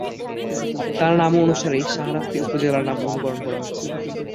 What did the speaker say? তার নামানুসারেই শাহরাস্তি উপজেলার নামকরণ করা হয়েছে।